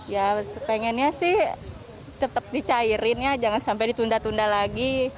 ya pengennya sih tetap dicairin ya jangan sampai ditunda tunda lagi